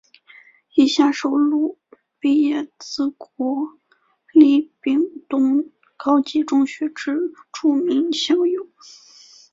以下收录毕业自国立屏东高级中学之著名校友。